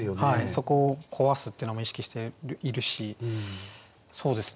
そこを壊すっていうのも意識しているしそうですね。